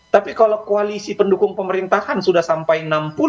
tapi kalau koalisi pendukung pemerintahan sudah sampai enam puluh